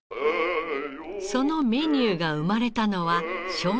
そのメニューが生まれたのは昭和９年。